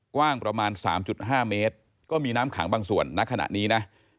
กว้างประมาณ๓๕เมตรก็มีน้ำขังบางส่วนณขณะนี้นะ